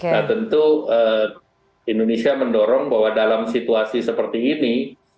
nah tentu indonesia mendorong bahwa dalam situasi seperti ini